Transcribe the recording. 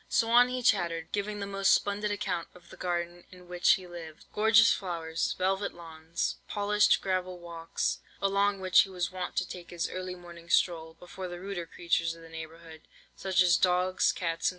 "So on he chattered, giving the most splendid account of the garden in which he lived. Gorgeous flowers, velvet lawns, polished gravel walks, along which he was wont to take his early morning stroll, before the ruder creatures of the neighbourhood, such as dogs, cats, &c.